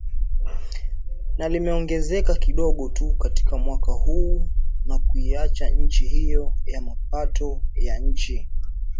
na limeongezeka kidogo tu katika mwaka huo na kuiacha nchi hiyo ya mapato ya chini